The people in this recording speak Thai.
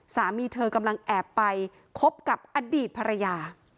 สามีเธอกำลังแอบไปคบกับอดีตภรรยา